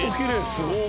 すごっ。